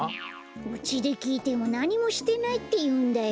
うちできいてもなにもしてないっていうんだよ。